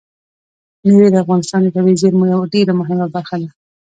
مېوې د افغانستان د طبیعي زیرمو یوه ډېره مهمه برخه ده.